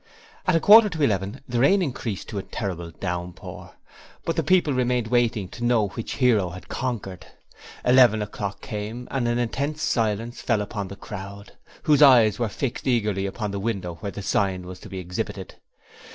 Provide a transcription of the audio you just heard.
At a quarter to eleven the rain increased to a terrible downpour, but the people remained waiting to know which hero had conquered. Eleven o'clock came and an intense silence fell upon the crowd, whose eyes were fixed eagerly upon the window where the sign was to be exhibited.